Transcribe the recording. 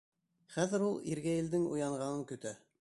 Хәҙер ул иргәйелдең уянғанын көтә.